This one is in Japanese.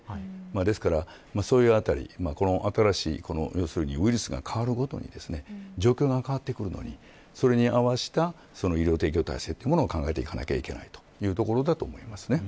ですから、そのあたり新しいウイルスが変わるごとに状況が変わってくるのにそれに合わせた医療提供体制を考えていかなければいけないというところだと思います。